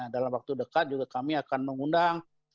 dalam waktu dekat juga kami akan mengundang